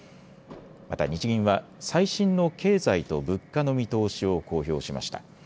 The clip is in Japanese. また日銀は最新の経済と物価の見通しを公表しました。